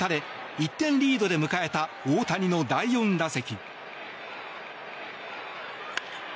１点リードで迎えた大谷の第４打席。